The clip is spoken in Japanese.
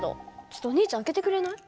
ちょっとお兄ちゃん開けてくれない？